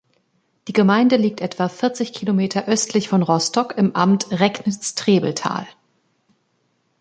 Die Gemeinde liegt etwa vierzig Kilometer östlich von Rostock im Amt Recknitz-Trebeltal.